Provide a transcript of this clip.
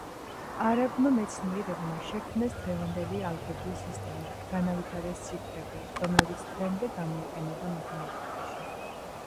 არაბმა მეცნიერებმა შექმნეს დღევანდელი ალგებრის სისტემა, განავითარეს ციფრები, რომლებიც დღემდე გამოიყენება მათემატიკაში.